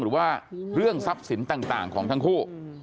หรือว่าเรื่องทรัพย์สินต่างของทั้งคู่